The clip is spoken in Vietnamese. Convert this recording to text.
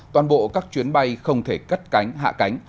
toàn bộ các chuyến bay không thể cất cánh hạ cánh